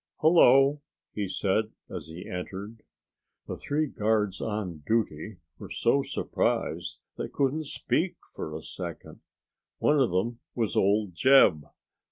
"Hello," he said, as he entered. The three guards on duty were so surprised they couldn't speak for a second. One of them was Old Jeb.